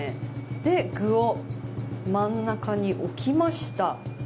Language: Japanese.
具を真ん中に置きました。